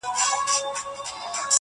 له خټو جوړه لویه خونه ده زمان ژوولې-